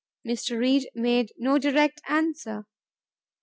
Mr. Reed made no direct answer.